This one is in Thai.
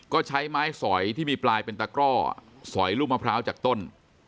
ก็ใช้ไม้สอยที่มีปลายเป็นตะกร่อสอยลูกมะพร้าวจากต้น